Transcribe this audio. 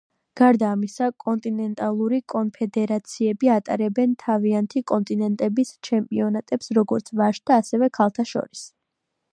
გარდა ამისა კონტინენტალური კონფედერაციები ატარებენ თავიანთი კონტინენტების ჩემპიონატებს როგორც ვაჟთა, ასევე ქალთა შორის.